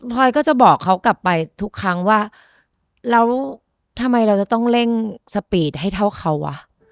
พอยก็จะบอกเขากลับไปทุกครั้งว่าแล้วทำไมเราจะต้องเร่งสปีดให้เท่าเขาอ่ะ